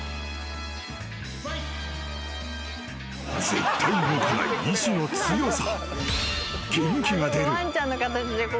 ［絶対動かない意志の強さ］